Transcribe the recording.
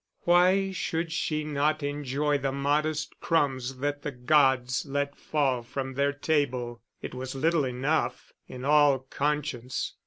Why should she not enjoy the modest crumbs that the gods let fall from their table it was little enough, in all conscience!